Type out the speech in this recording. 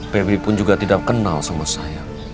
pebi pun juga tidak kenal sama saya